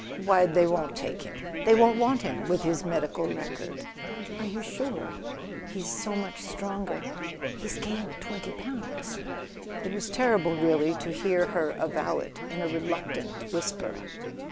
" "Why, they won't take him—they won't want him ... with his medical record." "Are you sure? He's so much stronger... He's gained twenty pounds. .." It was terrible, really, to hear her avow it in a reluctant whisper!